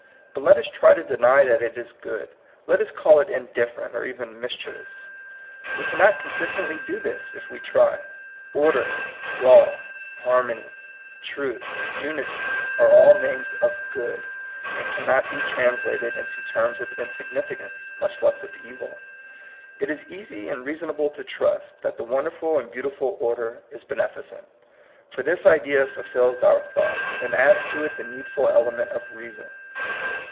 But let us try to deny that it is good. Let us call it indifferent, or even mischievous. We can not consistently do this, if we try. Order, law, harmony, truth, unity, are all names of good, and cannot be translated into terms of insignificance, much less of evil. It is easy and reasonable to trust that the won derful and beautiful order is beneficent ; for this idea fulfils our thought, and adds to it the needful element of reason.